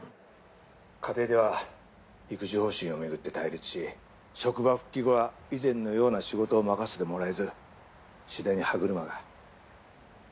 家庭では育児方針を巡って対立し職場復帰後は以前のような仕事を任せてもらえず次第に歯車が。